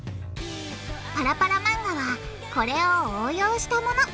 パラパラ漫画はこれを応用したもの。